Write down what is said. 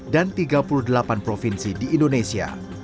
dan tiga puluh delapan provinsi